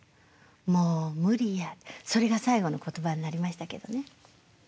それが最後の言葉になりましたけどね。